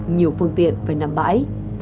nhiều phương tiện phải nằm bãi